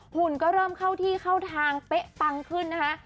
หุ่นก็เริ่มเข้าที่เข้าทางเป๊ะปังขึ้นนะคะ